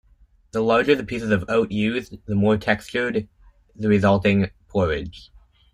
The larger the pieces of oat used, the more textured the resulting porridge.